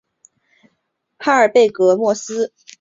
哈尔贝格莫斯是德国巴伐利亚州的一个市镇。